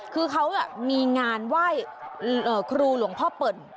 คือเขามีงานไหว้ครูหลวงพ่อเปิ่น